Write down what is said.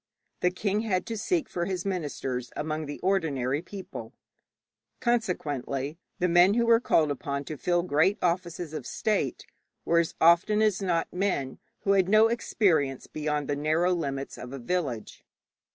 The king had to seek for his ministers among the ordinary people, consequently the men who were called upon to fill great offices of state were as often as not men who had no experience beyond the narrow limits of a village.